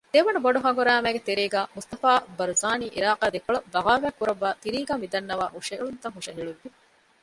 ދެވަނަ ބޮޑު ހަނގުރާމައިގެ ތެރޭގައި މުޞްޠަފާ ބަރުޒާނީ ޢިރާޤާ ދެކޮޅަށް ބަޣާވާތް ކުރައްވައި ތިރީގައި މިދަންނަވާ ހުށަހެޅުންތައް ހުށަހެޅުއްވި